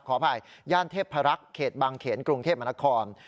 ขออภัยย่านเทพรักษ์เขตบางเขนกรุงเทพมนคร